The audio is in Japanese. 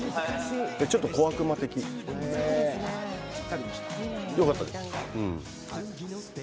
ちょっと小悪魔的。よかったです。